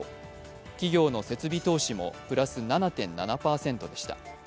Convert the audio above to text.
企業の設備投資もプラス７．７％でした。